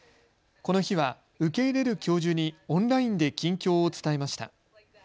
この日は受け入れる教授にオンラインで近況を伝えました。